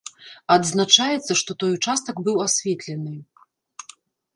Адзначаецца, што той участак быў асветлены.